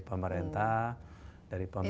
pemerintah dari pemimpin